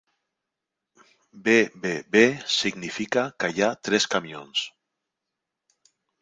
"B-B-B" significa que hi ha tres camions.